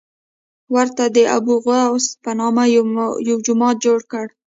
ورته د ابوغوث په نامه یو جومات جوړ کړی.